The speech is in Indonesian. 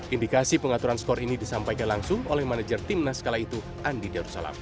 indikasi pengaturan skor ini disampaikan langsung oleh manajer tim nas kala itu andi darsalam